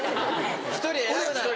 １人選ぶなら。